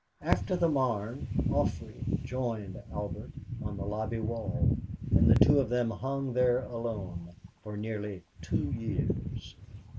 After the Marne, Joffre joined Albert on the lobby wall, and the two of them hung there alone for nearly two years.